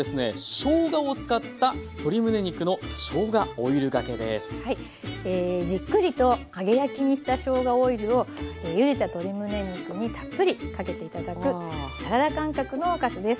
しょうがを使ったじっくりと揚げ焼きにしたしょうがオイルをゆでた鶏むね肉にたっぷりかけて頂くサラダ感覚のおかずです。